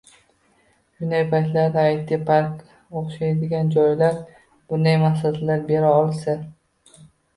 Shunday paytlarda, AyTi-parkka oʻxshagan joylar bunday maslahatlar bera olsa